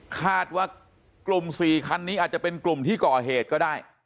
คาดว่ากลุ่ม๔คันนี้อาจจะเป็นกลุ่มที่ก่อเหตุก็ได้